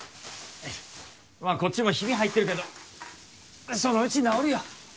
まあこっちもヒビ入ってるけどそのうち治るよ。